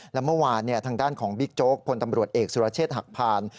และเมื่อวานทางด้านของบิ๊กโจ๊กพลตำรวจเอกสุรเชษฐ์หักผ่าน